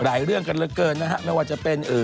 เรื่องกันเหลือเกินนะฮะไม่ว่าจะเป็น